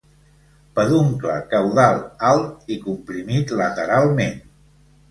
Peduncle caudal alt i comprimit lateralment.